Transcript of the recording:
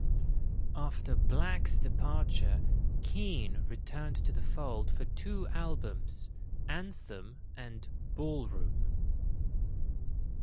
After Black's departure, Keane returned to the fold for two albums: "Anthem" and "Ballroom".